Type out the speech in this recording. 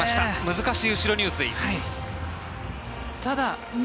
難しい後ろ入水。